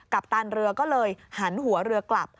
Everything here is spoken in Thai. ปตันเรือก็เลยหันหัวเรือกลับ